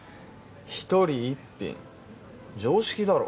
一人一品常識だろ。